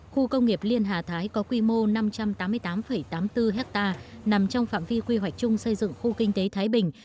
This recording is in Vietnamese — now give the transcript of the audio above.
khu công nghiệp liên hà thái có quy mô năm trăm tám mươi tám tám mươi bốn hectare nằm trong phạm vi quy hoạch chung xây dựng khu kinh tế thái bình